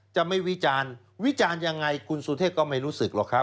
จะไม่วิจารณ์วิจารณ์ยังไงคุณสุเทพก็ไม่รู้สึกหรอกครับ